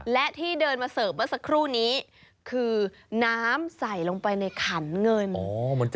และที่เดินมาเสิร์ฟเมื่อสักครู่นี้คือน้ำใส่ลงไปในขันเงิน